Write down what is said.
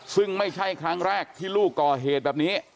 ซึ่งไม่ใช่ครั้งแรกที่ลูกก่อเหตุแบบนี้